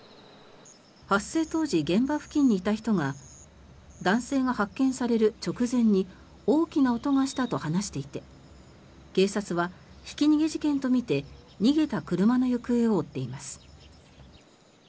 発生当時、現場付近にいた人が男性が発見される直前に大きな音がしたと話していて警察はひき逃げ事件とみて逃げた車の行方を追っています。